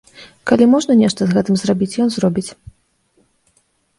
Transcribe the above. Калі можна нешта з гэтым зрабіць, ён зробіць.